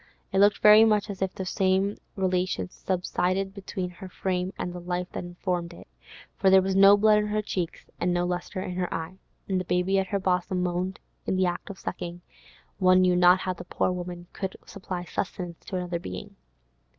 It looked very much as if the same relation subsisted between her frame and the life that informed it, for there was no blood in her cheeks, no lustre in her eye. The baby at her bosom moaned in the act of sucking; one knew not how the poor woman could supply sustenance to another being.